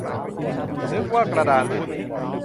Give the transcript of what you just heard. นึกว่ากระดานหุ้น